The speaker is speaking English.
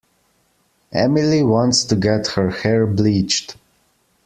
Emily wants to get her hair bleached.